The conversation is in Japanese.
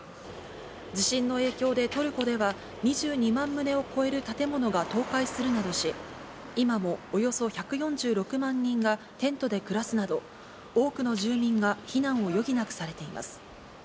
地震の影響でトルコでは、２２万棟を超える建物が倒壊するなどし、今もおよそ１４６万人がテントで暮らすなど、多くの住人が避難を余儀なくされています。